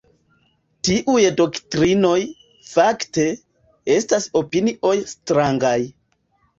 Tiuj doktrinoj, fakte, estas opinioj strangaj”.